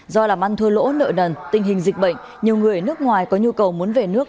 do làm ăn thua lỗ nợ nần tình hình dịch bệnh nhiều người nước ngoài có nhu cầu muốn về nước